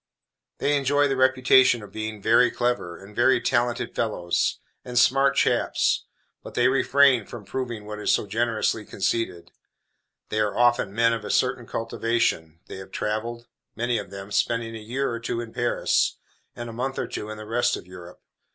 They enjoy the reputation of being "very clever," and "very talented fellows," and "smart chaps"; but they refrain from proving what is so generously conceded. They are often men of a certain cultivation. They have traveled, many of them spending a year or two in Paris, and a month or two in the rest of Europe.